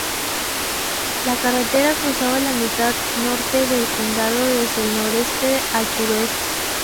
La carretera cruza la mitad norte del condado desde el noreste al suroeste.